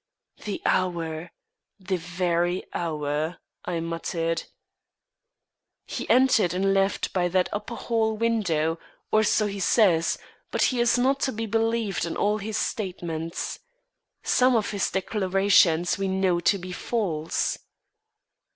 "The hour, the very hour!" I muttered. "He entered and left by that upper hall window, or so he says; but he is not to be believed in all his statements. Some of his declarations we know to be false."